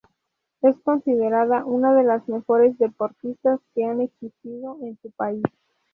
Es considerada una de las mejores deportistas que han existido en su país.